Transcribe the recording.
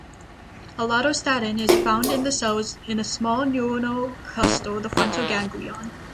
Allatostatin is found in the cells in a small neuronal cluster, the frontal ganglion.